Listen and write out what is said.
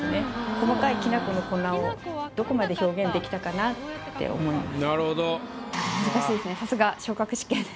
細かいきな粉の粉をどこまで表現できたかなって思います。